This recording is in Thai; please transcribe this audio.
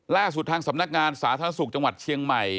ล่าสุดทางสำนักงานสาธารณสุขจังหวัดเชียงใหม่